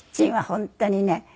本当にね